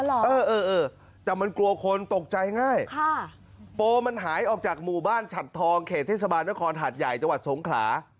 เออเออแต่มันกลัวคนตกใจง่ายค่ะโปรมันหายออกจากหมู่บ้านฉัดทองเขตเทศบาลนครหาดใหญ่จังหวัดสงขลา